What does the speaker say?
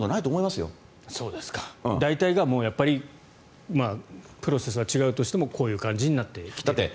大体がやっぱりプロセスは違うとしてもこういう形でなってきたと。